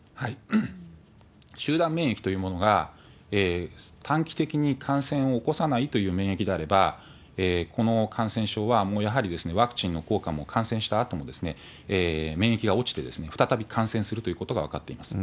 集団免疫というものが、短期的に感染を起こさないという免疫であれば、この感染症はやはりワクチンの効果も、感染したあとも免疫が落ちて、再び感染するということが分かっています。